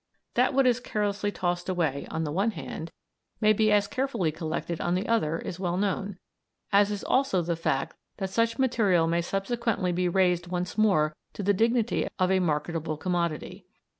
That what is carelessly tossed away on the one hand may be as carefully collected on the other is well known, as is also the fact that such material may subsequently be raised once more to the dignity of a marketable commodity.